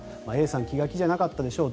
Ａさん気が気じゃなかったでしょう。